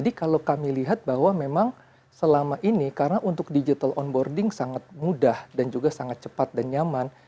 dan kami juga melihat bahwa memang selama ini karena untuk digital onboarding sangat mudah dan juga sangat cepat dan nyaman